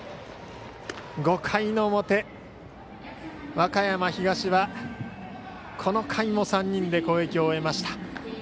５回の表、和歌山東はこの回も３人で攻撃を終えました。